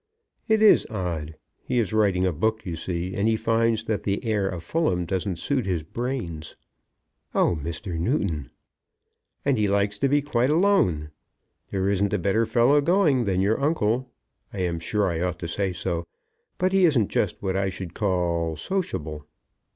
"It is odd. He is writing a book, you see, and he finds that the air of Fulham doesn't suit his brains." "Oh, Mr. Newton!" "And he likes to be quite alone. There isn't a better fellow going than your uncle. I am sure I ought to say so. But he isn't just what I should call, sociable."